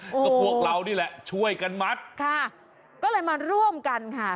ก็พวกเรานี่แหละช่วยกันมัดค่ะก็เลยมาร่วมกันค่ะ